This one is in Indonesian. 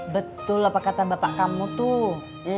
betul apa kata bapak kamu tuh